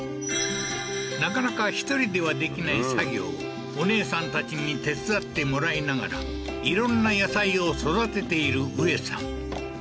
なかなか１人ではできない作業をお姉さんたちに手伝ってもらいながら色んな野菜を育てている宇恵さん